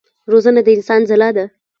روزنه د انسان ځلا ده.